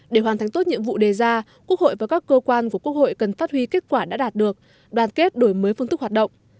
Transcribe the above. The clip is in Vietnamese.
để hoàn thành tốt nhiệm vụ đề ra quốc hội và các cơ quan của quốc hội cần phát huy kết quả đã đạt được đoàn kết đổi mới phương thức hoạt động